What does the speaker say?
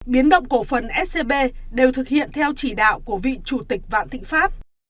biến động cổ phần scb đều thực hiện theo chỉ đạo của vị chủ tịch vạn thịnh pháp